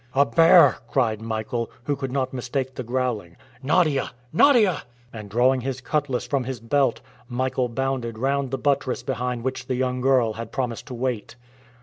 "A bear;" cried Michael, who could not mistake the growling. "Nadia; Nadia!" And drawing his cutlass from his belt, Michael bounded round the buttress behind which the young girl had promised to wait.